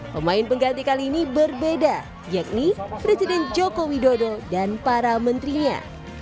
pemain pengganti kali ini berbeda yakni presiden joko widodo dan para menterinya